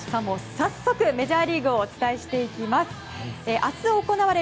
早速、メジャーリーグをお伝えしてきます。